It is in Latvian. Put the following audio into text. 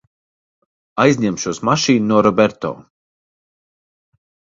Aizņemšos mašīnu no Roberto.